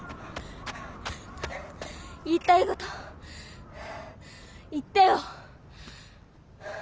言いたいこと言ってよ！